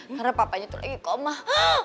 karena papanya tuh lagi komah